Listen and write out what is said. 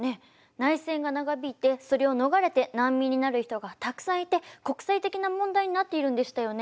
内戦が長引いてそれを逃れて難民になる人がたくさんいて国際的な問題になっているんでしたよね。